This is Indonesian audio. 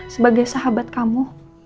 sebagai sahabat kamu